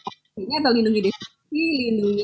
aslinya atau lindungi deskripsi lindungi